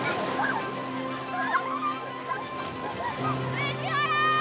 藤原！